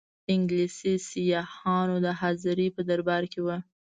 انګلیسي سیاحانو حاضري په دربار کې وه.